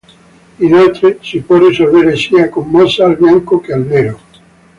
Inoltre si può risolvere sia con mossa al bianco che al nero.